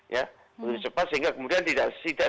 ya begitu cepat sehingga kemudian tidak sempat untuk melakukan